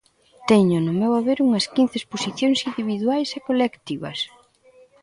Teño no meu haber unhas quince exposicións individuais e colectivas.